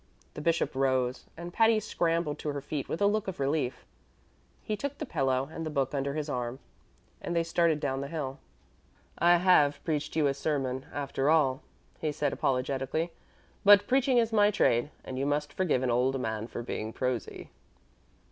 The bishop rose, and Patty scrambled to her feet with a look of relief. He took the pillow and the book under his arm, and they started down the hill. "I have preached you a sermon, after all," he said apologetically; "but preaching is my trade, and you must forgive an old man for being prosy."